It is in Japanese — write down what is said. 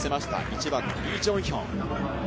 １番のイ・ジョンヒョン。